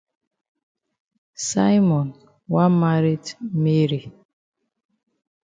Simon wan maret Mary.